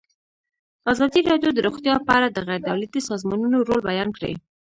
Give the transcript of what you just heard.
ازادي راډیو د روغتیا په اړه د غیر دولتي سازمانونو رول بیان کړی.